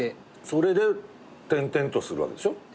それで転々とするわけでしょ？